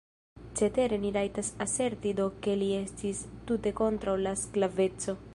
Cetere ni rajtas aserti do ke li estis tute kontraŭ la sklaveco.